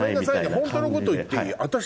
ホントのこと言っていい？